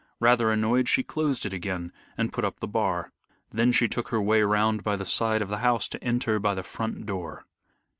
Rather annoyed she closed it again, and put up the bar. Then she took her way round by the side of the house to enter by the front door.